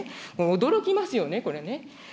驚きますよね、これね。